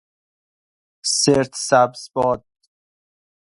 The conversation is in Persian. سرت سبز باد